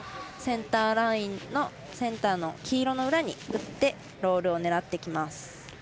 センターラインのセンターの黄色の裏に打ってロールを狙ってきます。